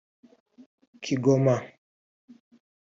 Kigoma